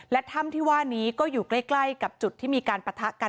และถ้ำที่ว่านี้ก็อยู่ใกล้กับจุดที่มีการปะทะกัน